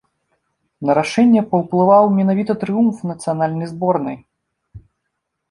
На рашэнне паўплываў менавіта трыумф нацыянальнай зборнай.